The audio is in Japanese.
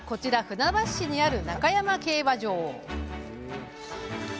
船橋市にある中山競馬場。